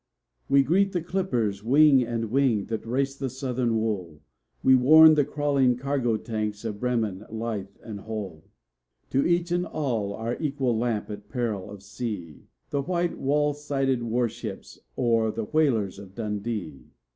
We greet the clippers wing and wing that race the Southern wool; We warn the crawling cargo tanks of Bremen, Leith, and Hull; To each and all our equal lamp at peril of the sea The white wall sided war ships or the whalers of Dundee!